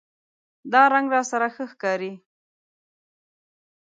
دا رنګ راسره ښه ښکاری